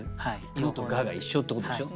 「の」と「が」が一緒ってことでしょ。